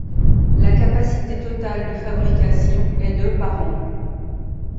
La capacité totale de fabrication est de par an.